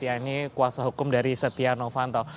yang ini kuasa hukum dari setia novanto